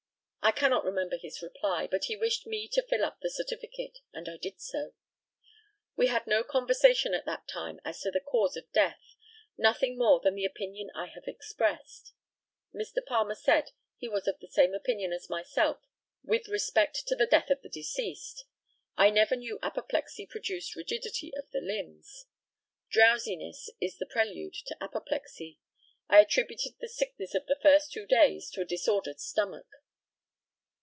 I cannot remember his reply; but he wished me to fill up the certificate, and I did so. We had no conversation at that time as to the cause of death nothing more than the opinion I have expressed. Mr. Palmer said he was of the same opinion as myself with respect to the death of the deceased. I never knew apoplexy produce rigidity of the limbs. Drowsiness is a prelude to apoplexy. I attributed the sickness of the first two days to a disordered stomach.